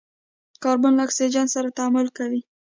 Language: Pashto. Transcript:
کاربن له اکسیجن سره تعامل کوي.